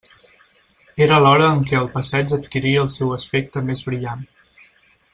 Era l'hora en què el passeig adquiria el seu aspecte més brillant.